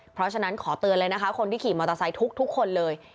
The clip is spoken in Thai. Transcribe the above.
เพราะฉะนั้นขอเตือนเลยนะคะคนที่ขี่มอเตอร์ไซค์ทุกคนเลย